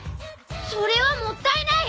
それはもったいない！